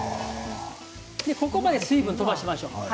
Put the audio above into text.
ここまで水分を飛ばしましょう。